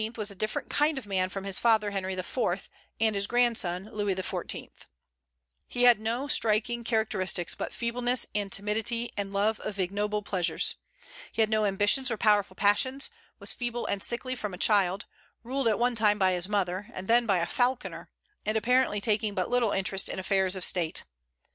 was a different kind of man from his father Henry IV. and his grandson Louis XIV. He had no striking characteristics but feebleness and timidity and love of ignoble pleasures. He had no ambitions or powerful passions; was feeble and sickly from a child, ruled at one time by his mother, and then by a falconer; and apparently taking but little interest in affairs of state.